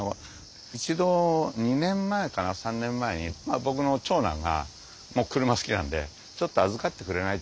一度２年前から３年前に僕の長男が車好きなんで「ちょっと預かってくれない？」